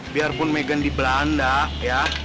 biarpun meghan di belanda ya